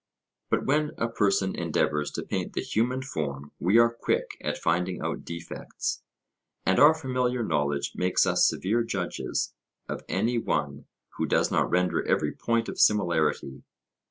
But when a person endeavours to paint the human form we are quick at finding out defects, and our familiar knowledge makes us severe judges of any one who does not render every point of similarity.